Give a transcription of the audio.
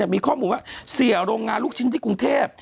มีข้อมูลว่าเสียโรงงานลูกชิ้นที่กรุงเทพ